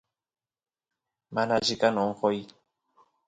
mana alli kan onqoy